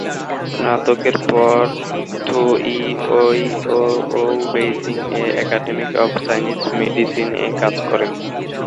স্নাতকের পর Tu Youyou বেইজিং-এর academy of Chinese মেদিসিন-এ কাজ করেন।